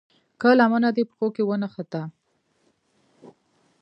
که لمنه دې پښو کې ونښته.